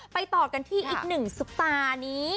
ต่อกันที่อีกหนึ่งซุปตานี้